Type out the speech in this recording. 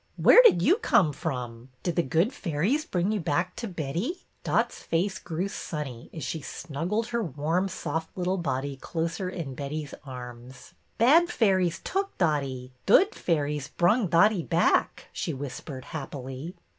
Where did you come from? Did the good fairies bring you back to Betty? " Dot's face grew sunny as she snuggled her warm, soft little body closer in Betty's arms. Bad fairies took Dotty, dood fairies brung Dotty back," she whispered happily.